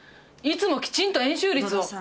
いつもきちんと円周率を！